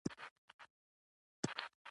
احمد په لسم ټولگي کې درې کاله ناکام شو